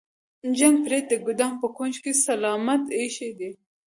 جک پلیټ د ګدام په کونج کې سلامت ایښی دی.